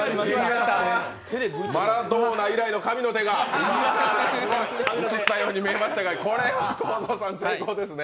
マラドーナ以来の神の手がうつったように見えましはたけど、これはこーぞーさん、成功ですね？